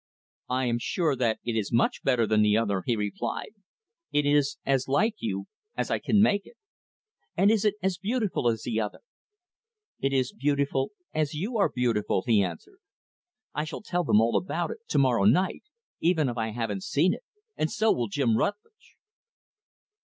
"I am sure that it is much better than the other," he replied. "It is as like you as I can make it." "And is it as beautiful as the other?" "It is beautiful as you are beautiful," he answered. "I shall tell them all about it, to morrow night even if I haven't seen it. And so will Jim Rutlidge."